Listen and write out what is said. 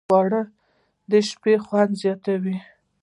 خوړل د شپې خوند زیاتوي